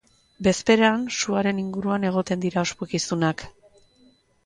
Bezperan, suaren inguruan egiten dira ospakizunak.